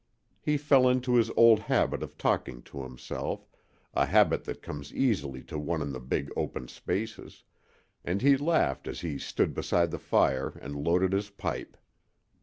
He fell into his old habit of talking to himself a habit that comes easily to one in the big open spaces and he laughed as he stood beside the fire and loaded his pipe.